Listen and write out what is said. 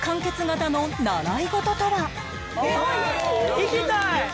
行きたい！